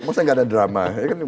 maksudnya tidak ada drama